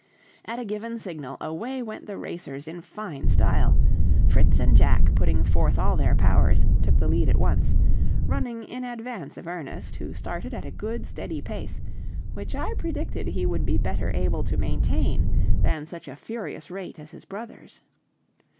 At a given signal, away went the racers in fine style. Fritz and Jack, putting forth all their powers, took the lead at once, running in advance of Ernest, who started at a good, steady pace, which I predicted he would be better able to maintain than such a furious rate as his brothers.